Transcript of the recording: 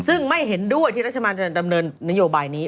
ซึ่งไม่เห็นด้วยที่รัฐบาลจะดำเนินนโยบายนี้